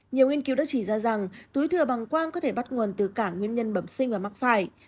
nhiều nghiên cứu đã chỉ ra rằng túi thừa bằng quang có thể bắt nguồn từ cả nguyên nhân bẩm sinh và mắc phải